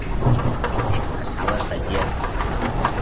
Anem a Sales de Llierca.